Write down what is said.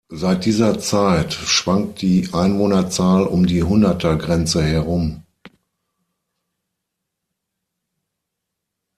Seit dieser Zeit schwankt die Einwohnerzahl um die Hunderter-Grenze herum.